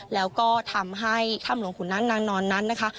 แล้วก็ทำให้ถ้ำหลวงขุนน้ำนางนอนนั้นนะคะ